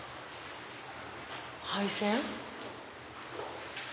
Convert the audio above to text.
配線。